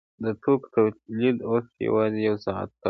د توکو تولید اوس یوازې یو ساعت کار غواړي